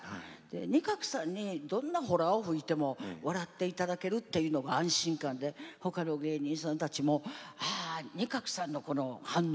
仁鶴さんにどんなほらを吹いても笑っていただけるのが安心感で、ほかの芸人さんたちも仁鶴さんの反応。